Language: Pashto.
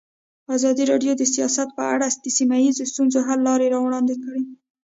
ازادي راډیو د سیاست په اړه د سیمه ییزو ستونزو حل لارې راوړاندې کړې.